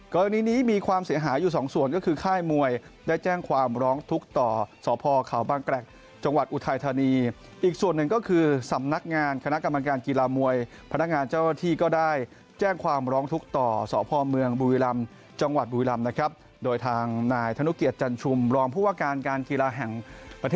กรณีนี้มีความเสียหายอยู่๒ส่วนก็คือค่ายม่วยได้แจ้งความร้องทุกข์ต่อ